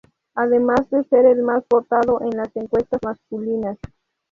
Además de ser el más votado en las encuestas masculinas.